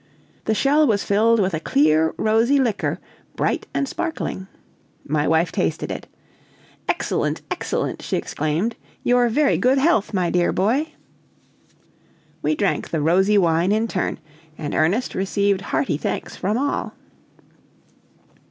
The shell was filled with a clear, rosy liquor, bright and sparkling. My wife tasted it. "Excellent, excellent," she exclaimed. "Your very good health, my dear boy!" We drank the rosy wine in turn, and Ernest received hearty thanks from all.